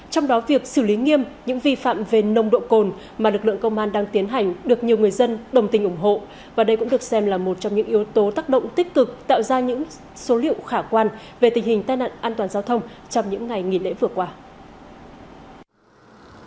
trong đó việc xử lý nghiêm những vi phạm về nồng độ cồn mà lực lượng công an đang tiến hành được nhiều người dân đồng tình ủng hộ và đây cũng được xem là một trong những yếu tố tác động tích cực tạo ra những số liệu khả quan về tình hình tai nạn an toàn giao thông trong những ngày nghỉ lễ vừa qua